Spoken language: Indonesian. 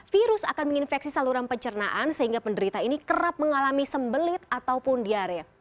virus akan menginfeksi saluran pencernaan sehingga penderita ini kerap mengalami sembelit ataupun diare